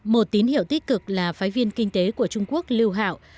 một tín hiệu tích cực là phái viên kinh tế của trung quốc liu hao